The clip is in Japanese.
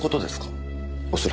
恐らく。